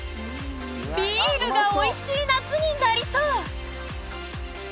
ビールがおいしい夏になりそう！